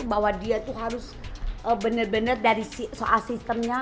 bahwa dia itu harus benar benar dari soal sistemnya